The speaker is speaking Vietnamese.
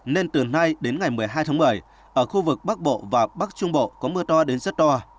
nên từ nay đến ngày một mươi hai tháng một mươi ở khu vực bắc bộ và bắc trung bộ có mưa to đến rất to